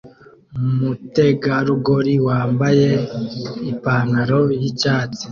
Umutegarugori wambaye ipantaro yicyatsi